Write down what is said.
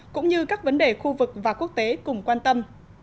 cũng như các vấn đề khu vực và quốc tế cùng quan tâm